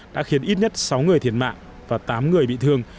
đã khiến ít nhất sáu người thiệt mạng và tám người bị thương